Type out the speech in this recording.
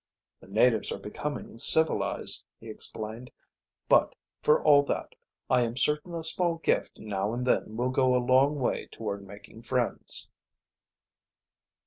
"The natives are becoming civilized," he explained. "But, for all that, I am certain a small gift now and then will go a long way toward making friends."